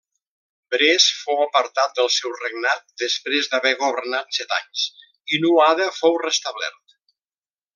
Bres fou apartat del seu regnat després d'haver governat set anys, i Nuada fou restablert.